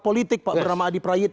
politik pak bernama adi prayit